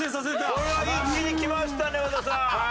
これは一気にきましたね和田さん。